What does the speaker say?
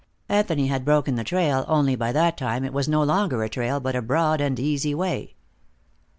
Anthony had broken the trail, only by that time it was no longer a trail, but a broad and easy way.